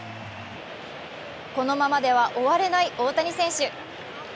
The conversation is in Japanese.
このままでは終われない大谷選手。